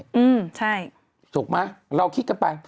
อืมใช่ถูกไหมเราคิดกันไป